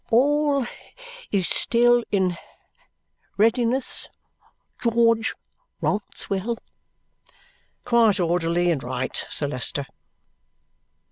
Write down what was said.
"All is still in readiness, George Rouncewell?" "Quite orderly and right, Sir Leicester."